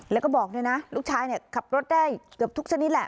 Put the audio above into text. แล้วก็บอกด้วยนะลูกชายขับรถได้เกือบทุกชนิดแหละ